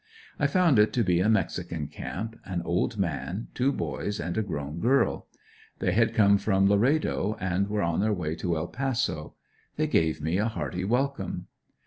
I found it to be a mexican camp, an old man, two boys and a grown girl. They had come from Larado and were on their way to El Paso. They gave me a hearty welcome.